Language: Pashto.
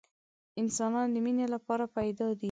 انسانان د مینې لپاره پیدا دي